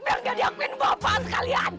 biar dia dihukumin bapak sekalian